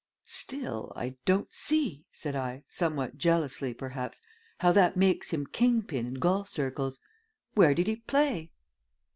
"Still, I don't see," said I, somewhat jealously, perhaps, "how that makes him king pin in golf circles. Where did he play?"